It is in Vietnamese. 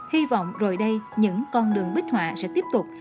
hy vọng rồi đây những con đường bích họa sẽ tiếp tục